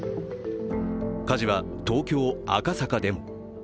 火事は東京・赤坂でも。